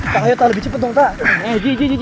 pak ayo tak lebih cepet dong pak